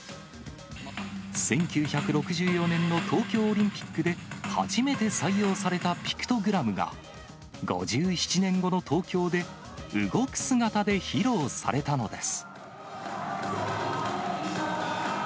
１９６４年の東京オリンピックで初めて採用されたピクトグラムが、５７年後の東京で、動く姿で披露されたのです。